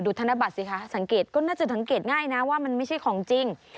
ธนบัตรสิคะสังเกตก็น่าจะสังเกตง่ายนะว่ามันไม่ใช่ของจริง